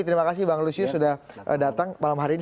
terima kasih bang lusius sudah datang malam hari ini